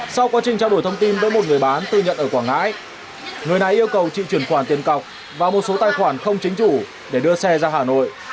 sau quá trình trao đổi thông tin với một người bán tự nhận ở quảng ngãi người này yêu cầu chị chuyển khoản tiền cọc và một số tài khoản không chính chủ để đưa xe ra hà nội